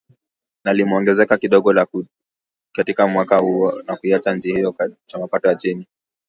Na limeongezeka kidogo tu katika mwaka huo, na kuiacha nchi hiyo chini ya mapato ya chini.